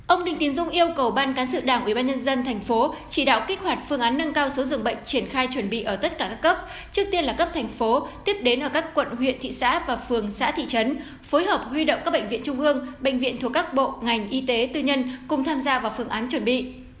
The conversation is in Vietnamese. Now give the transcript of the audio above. ông đinh tiến dũng yêu cầu ban cán sự đảng ubnd tp chỉ đạo kích hoạt phương án nâng cao số dường bệnh triển khai chuẩn bị ở tất cả các cấp trước tiên là cấp thành phố tiếp đến ở các quận huyện thị xã và phường xã thị trấn phối hợp huy động các bệnh viện trung ương bệnh viện thuộc các bộ ngành y tế tư nhân cùng tham gia vào phương án chuẩn bị